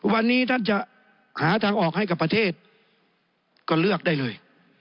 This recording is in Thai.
วันนี้ท่านจะหาทางออกให้กับประเทศก็เลือกได้เลย